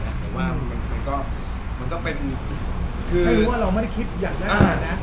ไม่รู้ว่าเราไม่ได้คิดอย่างนั้น